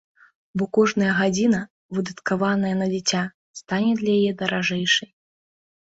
Бо кожная гадзіна, выдаткаваная на дзіця, стане для яе даражэйшай.